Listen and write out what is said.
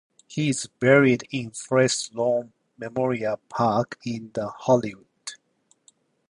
He is buried in Forest Lawn Memorial Park in Hollywood.